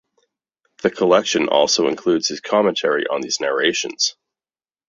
The collection also includes his commentary on these narrations.